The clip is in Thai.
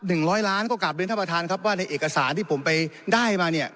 ร้อยล้านก็กลับเรียนท่านประธานครับว่าในเอกสารที่ผมไปได้มาเนี่ย